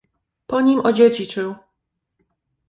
"po nim odziedziczył."